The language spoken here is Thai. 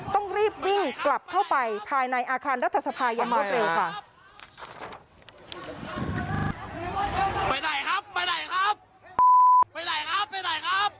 ต้องรีบวิ่งกลับเข้าไปภายในอาคารรัฐสภาอย่างรวดเร็วค่ะ